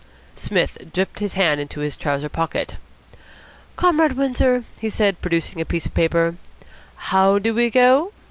Psmith dipped his hand into his trouser pocket. "Comrade Windsor," he said, producing a piece of paper, "how do we go?"